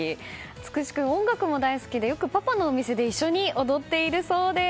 創士君は音楽も大好きでよくパパのお店で一緒に踊っているそうです。